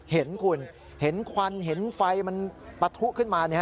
เห็นคุณเห็นควันเห็นไฟมันปะทุขึ้นมา